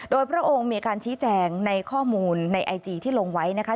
โดยพระองค์มีการชี้แจงในข้อมูลในไอจีที่ลงไว้นะคะ